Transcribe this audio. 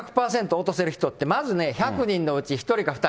落とせる人って、まず１００人の内１人か２人。